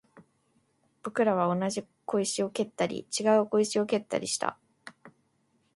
僕らは同じ小石を蹴ったり、違う小石を蹴ったりした